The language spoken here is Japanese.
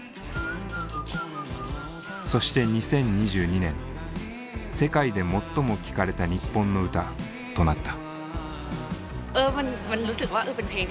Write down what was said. そして２０２２年「世界で最も聴かれた日本の歌」となった。